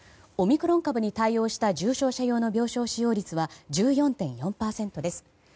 オミクロン株に対応した重症者用の病床使用率は１４．４％です。